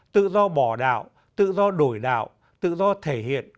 tự do bỏ đạo tự do đổi đạo tự do thể hiện